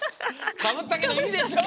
かぶったけどいいでしょう！